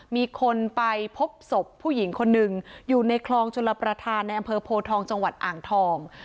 มีคนไปพบศพผู้หญิงคนหนึ่งอยู่ในคลองชลประธานในอำเภอโพทองจังหวัดอ่างทอง